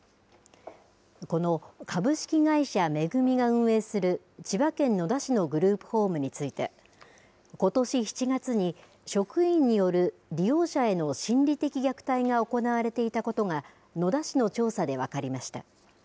この株式会社、恵が運営する千葉県野田市のグループホームについてことし７月に職員による利用者への心理的虐待が行われていたことが野田市の調査で分かりました。